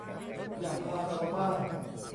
อย่าพาชาวบ้าน